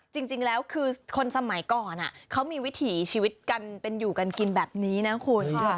จริงแล้วคือคนสมัยก่อนเขามีวิถีชีวิตกันเป็นอยู่กันกินแบบนี้นะคุณ